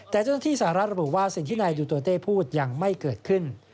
แต่เจ้าหน้าที่สหรัฐระบุว่าสิ่งที่นายดูโตเต้พูดยังไม่เกิดขึ้น